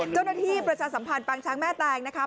จุดหน้าที่ประชาสัมพันธ์ปางช้างแม่แตงนะคะ